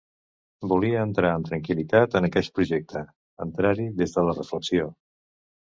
Volia entrar amb tranquil·litat en aquest projecte, entrar-hi des de la reflexió.